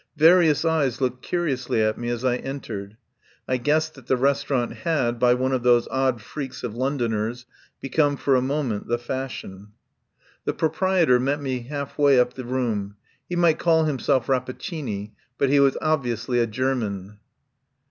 Various eyes looked curiously at me as I entered. I guessed that the restaurant had, by one of those odd freaks of Londoners, be come for a moment the fashion. The proprietor met me half way up the room. He might call himself Rapaccini, but he was obviously a German.